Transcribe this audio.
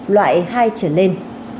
loại hai trở lên